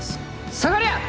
下がりゃ！